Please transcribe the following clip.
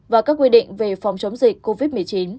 và các quy định về phòng chống dịch covid một mươi chín